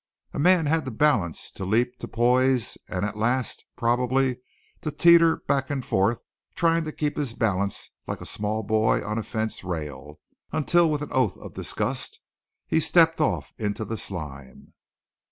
A man had to balance, to leap, to poise; and at last probably, to teeter back and forth trying to keep his balance like a small boy on a fence rail, until, with an oath of disgust, he stepped off into the slime.